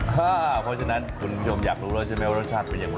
เพราะฉะนั้นคุณผู้ชมอยากรู้แล้วใช่ไหมว่ารสชาติเป็นอย่างไร